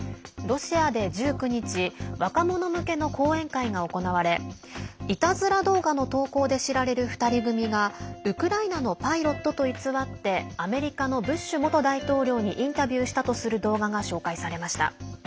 ロシアで１９日若者向けの講演会が行われいたずら動画の投稿で知られる２人組がウクライナのパイロットと偽ってアメリカのブッシュ元大統領にインタビューしたとする動画が紹介されました。